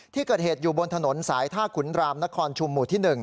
ที่เกิดเหตุอยู่บนถนนสายท่าขุนรามนครชุมหมู่ที่๑